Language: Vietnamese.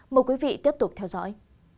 mời quý vị tiếp tục theo dõi